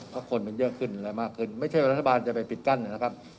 เพราะคนมันเยอะขึ้นอะไรมากขึ้นไม่ใช่ว่ารัฐบาลจะไปปิดกั้นนะครับ